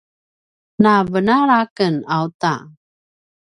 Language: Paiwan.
na venala ken auta